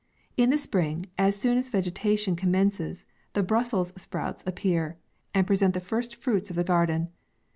In the spring, as soon as vegetation com mences, the Brussels' sprouts appear, and present the first fruits of the garden.